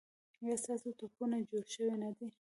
ایا ستاسو ټپونه جوړ شوي نه دي؟